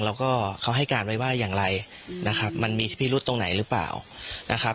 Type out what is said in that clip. แล้วก็เขาให้การไว้ว่าอย่างไรนะครับมันมีพิรุษตรงไหนหรือเปล่านะครับ